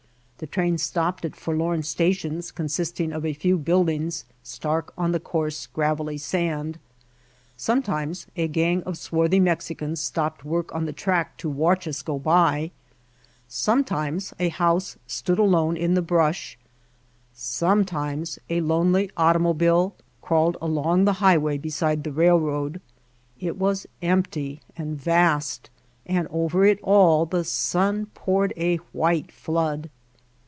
The train stopped at forlorn stations consisting of a few buildings stark on the coarse, gravelly sand. Sometimes a gang of swarthy [IS] White Heart of Mojave Mexicans stopped work on the track to watch us go by, sometimes a house stood alone in the brush, sometimes a lonely automobile crawled along the highway beside the railroad. It was empty and vast, and over it all the sun poured a white flood.